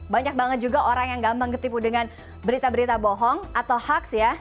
banyak banget juga orang yang gampang ketipu dengan berita berita bohong atau hoaks ya